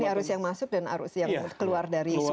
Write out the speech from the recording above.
arus yang masuk dan arus yang keluar dari sungai